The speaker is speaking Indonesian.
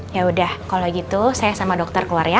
yaudah kalau gitu saya sama dokter keluar ya